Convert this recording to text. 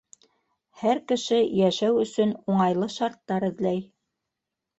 Һәр кеше йәшәү өсөн уңайлы шарттар эҙләй.